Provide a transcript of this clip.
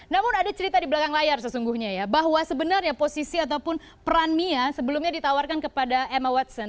namun ada cerita di belakang layar sesungguhnya ya bahwa sebenarnya posisi ataupun peran mia sebelumnya ditawarkan kepada emma wetson